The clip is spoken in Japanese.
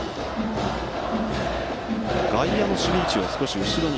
外野の守備位置が少し後ろに。